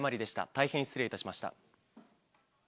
大変失礼いたしました。